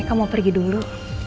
meka mau pergi dulu